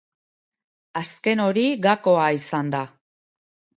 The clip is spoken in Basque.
Azken hori gakoa izan da.